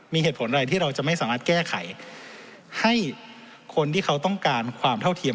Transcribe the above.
มีเหตุผลอะไรที่เราจะไม่สามารถแก้ไขให้คนที่เขาต้องการความเท่าเทียม